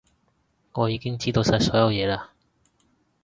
我已經知道晒所有嘢嘞